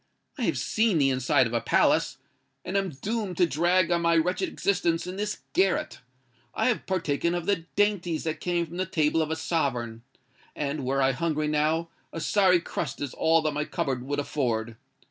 I have seen the inside of a palace—and am doomed to drag on my wretched existence in this garret. I have partaken of the dainties that came from the table of a sovereign—and, were I hungry now, a sorry crust is all that my cupboard would afford.